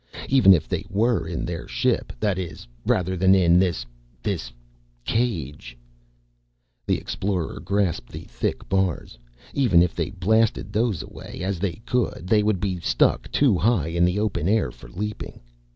Even if they were in their ship, that is, rather than in this this cage. The Explorer grasped the thick bars. Even if they blasted those away, as they could, they would be stuck too high in open air for leaping.